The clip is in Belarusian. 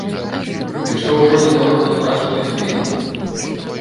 І што ўжо незваротна страчана і зменена?